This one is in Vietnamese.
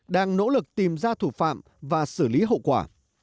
đang nỗ lực tìm ra thủ phạm và xử lý hậu quả